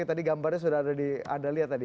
tadi gambarnya sudah ada di anda lihat tadi